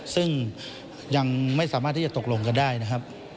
ซึ่งยังไม่สามารถที่จะตกลงกันได้นะครับ